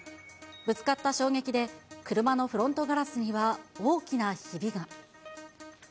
ぶつかった衝撃で、車のフロントガラスには大きなひびが。